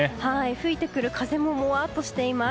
吹いてくる風ももわっとしています。